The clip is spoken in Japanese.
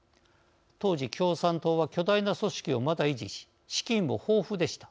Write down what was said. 当時、共産党は巨大な組織をまだ維持し資金も豊富でした。